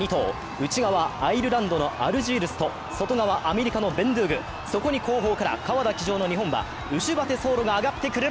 内側、アイルランドのアルジールスと外側、アメリカのベンドゥーグ、そこに後方から川田騎乗の日本馬、ウシュバテソーロが上がってくる。